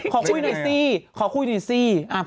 ขอคุยหน่อยสิดูหน่อย